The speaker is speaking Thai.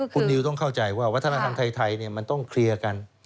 คุณนิวต้องเข้าใจว่าวัฒนธรรมไทยมันต้องเคลียร์กัน